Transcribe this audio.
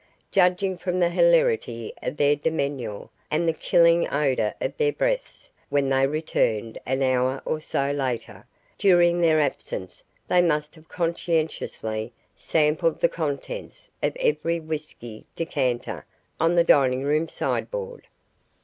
Judging from the hilarity of their demeanour and the killing odour of their breaths when they returned an hour or so later, during their absence they must have conscientiously sampled the contents of every whisky decanter on the dining room sideboard.